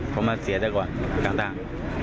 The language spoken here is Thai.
เขามาเสียจากก่อนทางต่าง